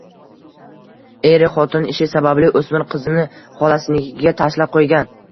Er-u xotin ishi sababli o‘smir qizini xolasinikiga tashlab qo‘ygan.